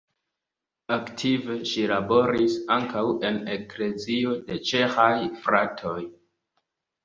Aktive ŝi laboris ankaŭ en Eklezio de Ĉeĥaj Fratoj.